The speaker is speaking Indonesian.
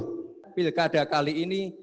tidak hanya untuk memenangkan kontestasi